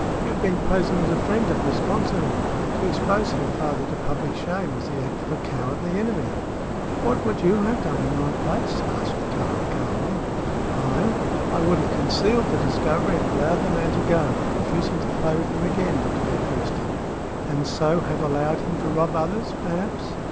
You have been posing as a friend of Miss Consinor. To expose her father to public shame was the act of a cowardly enemy." "What would you have done in my place?" asked Kāra, calmly. "I? I would have concealed the discovery and allowed the man to go, refusing to play with him again," declared Winston. "And so have allowed him to rob others, perhaps?"